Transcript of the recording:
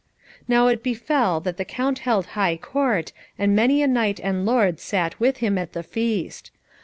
Now it befell that the Count held high Court, and many a knight and lord sat with him at the feast.